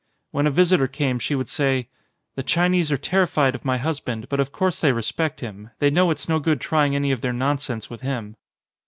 When a visitor came she would say : "The Chinese are terrified of my husband, but of course they respect him. They know it's no good trying any of their nonsense with him."